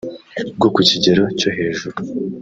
bwo ku kigero cyo hejuru